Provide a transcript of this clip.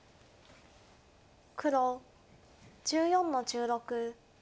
黒１４の十六。